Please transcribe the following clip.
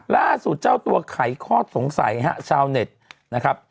ล่าสุดเจ้าตัวไขข้อสงสัยฮะชาวเน็ตนะครับ